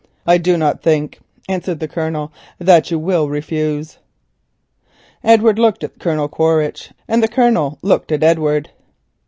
"I do not think," answered the Colonel, "that you will refuse." Edward looked at Colonel Quaritch, and the Colonel looked at Edward.